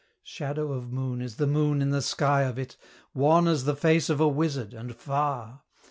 Shadow of moon is the moon in the sky of it Wan as the face of a wizard, and far!